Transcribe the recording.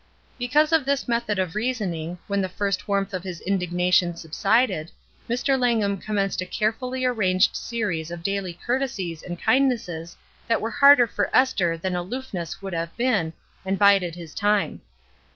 Because of this method of reasoning, when the first warmth of his indignation subsided, Mr. Langham commenced a carefully arranged series of daily courtesies and kindnesses that were harder for Esther than aloofness would have been, and bided his time.